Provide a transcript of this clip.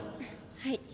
はい。